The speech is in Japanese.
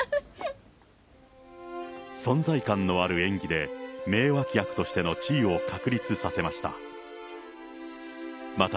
存在感のある演技で名脇役としての地位を確立させました。